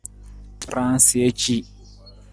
Raansija ci.